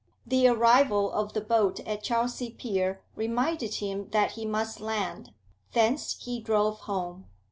The arrival of the boat at Chelsea pier reminded him that he must land; thence he drove home.